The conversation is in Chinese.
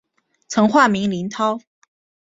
曾化名林涛。